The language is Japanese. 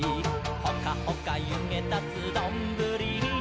「ほかほかゆげたつどんぶりに」